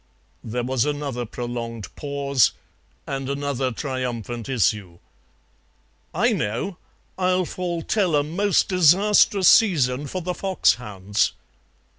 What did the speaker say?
There was another prolonged pause and another triumphant issue. "I know. I'll foretell a most disastrous season for the foxhounds."